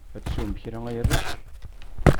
Ad teswem kra a arrac?